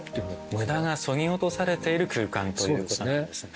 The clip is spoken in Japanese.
無駄がそぎ落とされている空間ということなんですね。